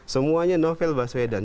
semuanya novel bahasa beda